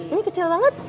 ini kecil banget